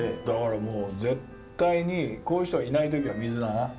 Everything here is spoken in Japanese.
だからもう絶対にこういう人がいない時は水だな。